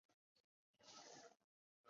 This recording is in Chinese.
腾越紫菀为菊科紫菀属下的一个种。